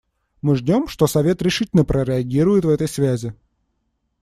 Мы ждем, что Совет решительно прореагирует в этой связи.